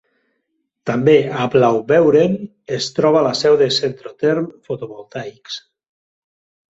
També a Blaubeuren es troba la seu de Centrotherm Photovoltaics.